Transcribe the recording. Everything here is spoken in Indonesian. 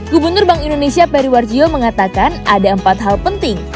gubernur bank indonesia periwarjo mengatakan ada empat hal penting